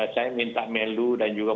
saya minta menlu dan juga